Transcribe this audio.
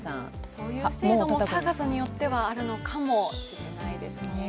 そういう制度もサーカスによってはあるのかもしれないですね。